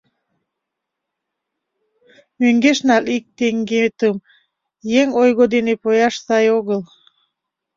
Мӧҥгеш нал ик теҥгетым: еҥ ойго дене пояш сай огыл...